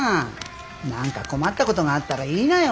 何か困ったことがあったら言いなよ。